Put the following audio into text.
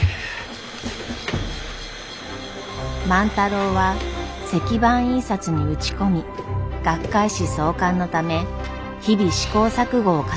万太郎は石版印刷に打ち込み学会誌創刊のため日々試行錯誤を重ねていました。